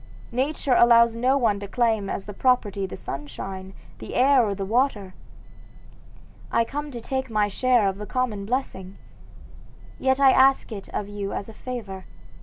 Nature allows no one to claim as property the sunshine, the air, or the water. I come to take my share of the common blessing. Yet I ask it of you as a favor.